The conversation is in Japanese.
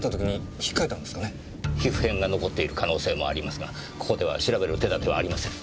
皮膚片が残っている可能性もありますがここでは調べる手立てはありません。